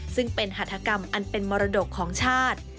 ซึ่งเป็นหัฐกรรมอันเป็นมรดกของชาติ